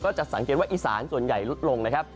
จะสังเกตว่าอีสานส่วนใหญ่ลดลงนะครับ